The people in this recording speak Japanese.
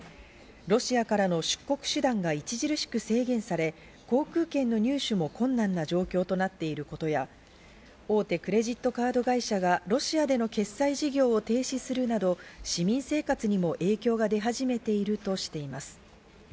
ロシアからの出国手段が著しく制限され、航空券の入手も困難な状況となっていることや、大手クレジットカード会社がロシアでの決裁事業を停止するなど市民生活にも影響が出始めているとしています。